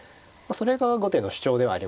それが後手の主張ではありますよね。